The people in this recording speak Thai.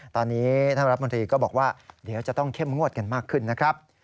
ตอนนี้ท่านรัฐมนตรีก็บอกว่าเดี๋ยวจะต้องเข้มงวดกันมากขึ้นนะครับ